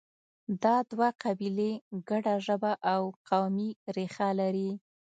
دا دوه قبیلې ګډه ژبه او قومي ریښه لري.